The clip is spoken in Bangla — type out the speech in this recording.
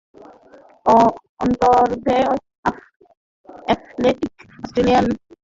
তন্মধ্যে athletics, Australian rules football, baseball, football, rugby league, rugby union খেলা এখানে অনুষ্ঠিত হয়েছে।